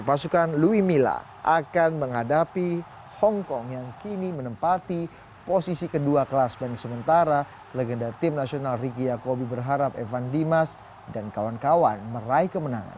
pasukan louis mila akan menghadapi hongkong yang kini menempati posisi kedua kelas dan sementara legenda tim nasional ricky yakobi berharap evan dimas dan kawan kawan meraih kemenangan